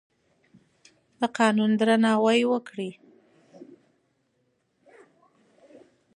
د قانون درناوی وکړئ.